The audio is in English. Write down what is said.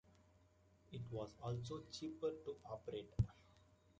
It was also cheaper to operate.